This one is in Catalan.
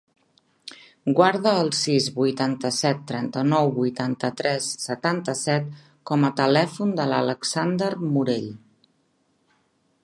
Guarda el sis, vuitanta-set, trenta-nou, vuitanta-tres, setanta-set com a telèfon de l'Alexander Morell.